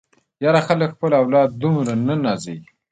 ياره خلک خپل اولاد دومره نه نازوي.